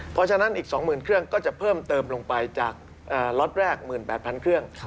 เพราะฉะนั้นอีก๒๐๐๐เครื่องก็จะเพิ่มเติมลงไปจากล็อตแรก๑๘๐๐๐เครื่อง